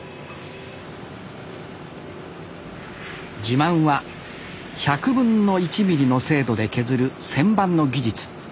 自慢は１００分の１ミリの精度で削る旋盤の技術。